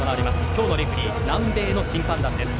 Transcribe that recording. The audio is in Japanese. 今日のレフェリー南米の審判団です。